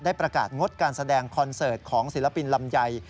ประกาศงดการแสดงคอนเสิร์ตของศิลปินลำไย